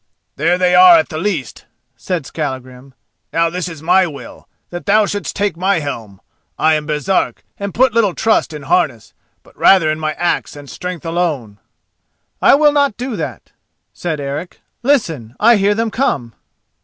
"There they are at the least," said Skallagrim. "Now this is my will, that thou shouldst take my helm. I am Baresark and put little trust in harness, but rather in my axe and strength alone." "I will not do that," said Eric. "Listen: I hear them come."